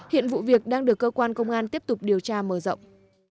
hiện vụ việc đang được cơ quan công an tiếp tục điều tra mở rộng